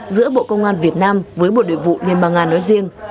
giữa bộ công an việt nam với bộ nội vụ liên bang nga nói riêng